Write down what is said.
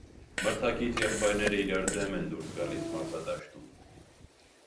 Մրցակից եղբայրները իրար դեմ են դուրս գալիս մարտադաշտում։